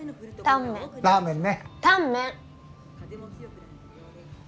タンメン！